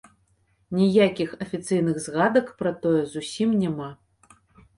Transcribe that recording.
Ніякіх афіцыйных згадак пра тое зусім няма.